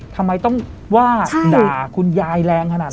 ทำไมต้องว่าด่าคุณยายแรงขนาดนั้น